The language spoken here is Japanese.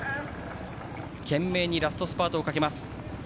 懸命にラストスパートをかけます。